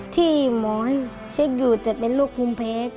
ที่หมอให้เช็คอยู่จะเป็นรูปภูมิเพศ